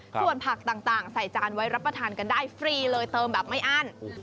ส่วนผักต่างใส่จานไว้รับประทานกันได้ฟรีเลยเติมแบบไม่อั้น